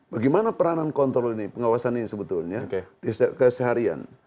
bagaimana peranan kontrol ini pengawasan ini sebetulnya keseharian